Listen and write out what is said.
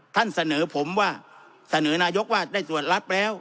ท่านเสนอผมว่าเสนอนายกว่าได้ส่วนรัฐแล้ว